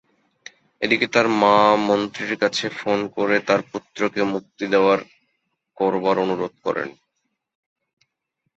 এদিকে, তার মা মন্ত্রীর কাছে ফোন করে তাঁর পুত্রকে মুক্তি দেওয়ার করবার অনুরোধ করেন।